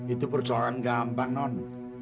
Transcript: itu percobaan gampang non